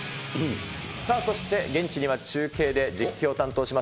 さあそして、現地には中継で実況を担当をします